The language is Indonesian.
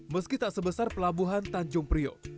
meski tak sebesar pelabuhan tanjung priok